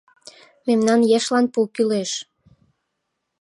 Мемнан ешлан пу кӱлеш.